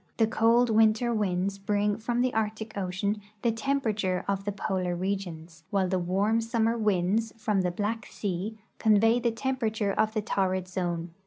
The cold winter winds bring from the Arctic ocean the temperature of the polar regions, while the warm summer winds from the Black sea convey the temperature of the torrid zone.